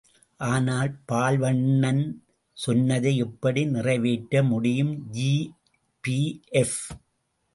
ஆனால் பால்வண்ணன் சொன்னதை எப்படி நிறைவேற்ற முடியும்... ஜி.பி.எப்.